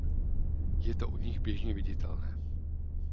Je to u nich běžně viditelné.